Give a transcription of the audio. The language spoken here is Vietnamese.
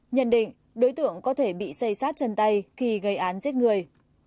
nhận định đối tượng có thể bị xây sát chân tay khi gây án giết người